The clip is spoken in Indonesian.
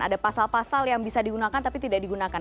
ada pasal pasal yang bisa digunakan tapi tidak digunakan